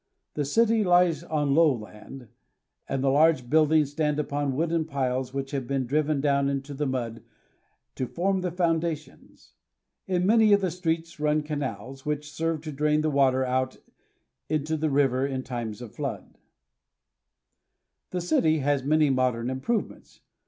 The city lies on low land, and the large buildings stand upon wooden piles which have been driven down into the mud to form the founda tions. In many of the streets run canals, which serve to drain the water out into the river in times of flood. The city has many modern improvements.